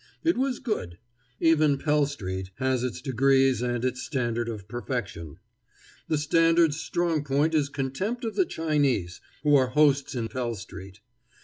It was good. Even Pell street has its degrees and its standard of perfection. The standard's strong point is contempt of the Chinese, who are hosts in Pell street.